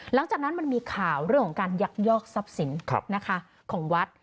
หลังจากนั้นมันมีข่าวเรื่องของการยักยอกทรัพย์สินของวัด